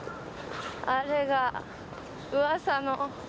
あれがうわさの。